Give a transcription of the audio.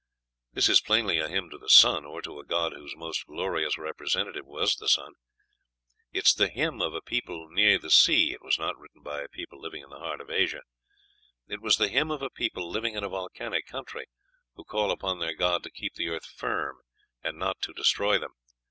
This is plainly a hymn to the sun, or to a god whose most glorious representative was the sun. It is the hymn of a people near the sea; it was not written by a people living in the heart of Asia. It was the hymn of a people living in a volcanic country, who call upon their god to keep the earth "firm" and not to destroy them.